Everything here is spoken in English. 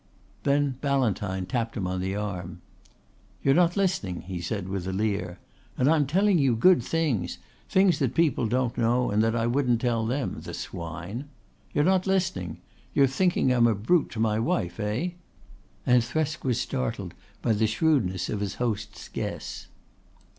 Then Ballantyne tapped him on the arm. "You're not listening," he said with a leer. "And I'm telling you good things things that people don't know and that I wouldn't tell them the swine. You're not listening. You're thinking I'm a brute to my wife, eh?" And Thresk was startled by the shrewdness of his host's guess.